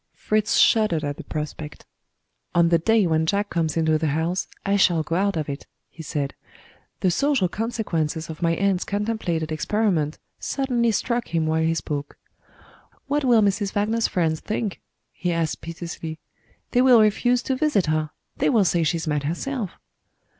Fritz shuddered at the prospect. "On the day when Jack comes into the house, I shall go out of it," he said. The social consequences of my aunt's contemplated experiment suddenly struck him while he spoke. "What will Mrs. Wagner's friends think?" he asked piteously. "They will refuse to visit her they will say she's mad herself."